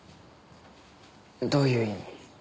どういう意味？